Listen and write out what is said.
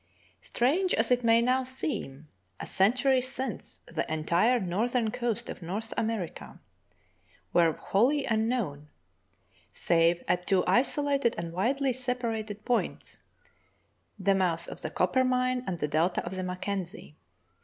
TRANGE as it may now seem, a century since the entire northern coasts of North America were wholly unknown, save at two isolated and widely separated points — the mouth of the Coppermine and the delta of the Mackenzie.